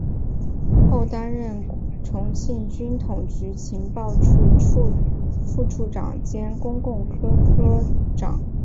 后担任重庆军统局情报处副处长兼中共科科长。